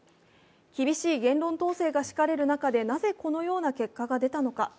厳しい言論闘争が敷かれる中で、なぜこのような結果が出たのか。